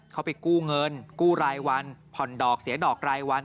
เขาไปกู้เงินกู้รายวันผ่อนดอกเสียดอกรายวัน